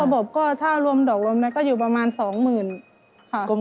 รอบพก็ถ้ารวมดอกรมนะก็อยู่ประมาณ๒๐๐๐๐๐๐บาทค่ะ